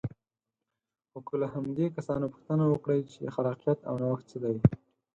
خو که له همدې کسانو پوښتنه وکړئ چې خلاقیت او نوښت څه دی.